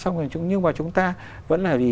nhưng mà chúng ta vẫn là gì